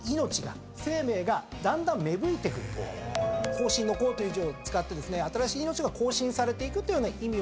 更新の更という字を使って新しい命が更新されていくというような意味を込めて。